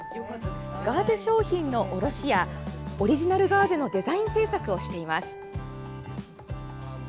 ガーゼ商品の卸やオリジナルガーゼのデザイン制作をしています。